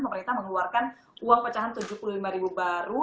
pemerintah mengeluarkan uang pecahan rp tujuh puluh lima ribu baru